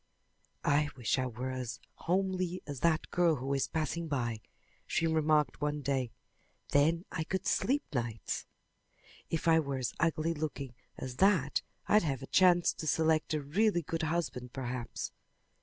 "I wish I were as homely as that girl who is passing by," she remarked one day. "Then I could sleep nights." "If I were as ugly looking as that I'd have a chance to select a really good husband perhaps.